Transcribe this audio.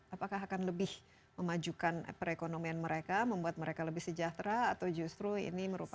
apakah akan lebih memajukan perekonomian mereka membuat mereka lebih sejahtera atau justru ini merupakan